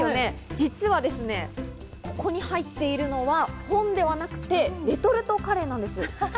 実はここに入っているのは本ではなくて、レトルトカレーなんです。